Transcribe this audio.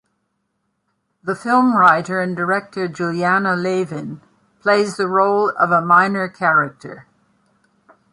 The film writer and director Julianna Lavin plays the role of a minor character.